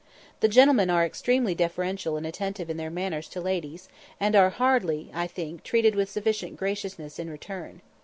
The gentlemen are extremely deferential and attentive in their manners to ladies, and are hardly, I think, treated with sufficient graciousness in return.